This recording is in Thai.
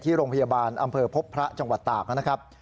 ที่โรงพยาบาลอำเภอพบพระจังหวัดตากนะครับ